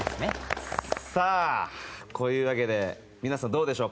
こういうわけで皆さん、どうでしょう。